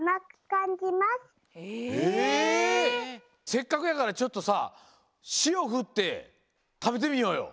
せっかくやからちょっとさしおふってたべてみようよ。